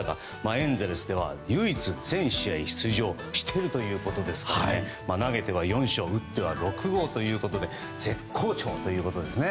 エンゼルスでは唯一全試合出場しているということですから投げては４勝打っては６号ということで絶好調ということですね。